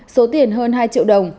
số tiền hơn hai triệu đồng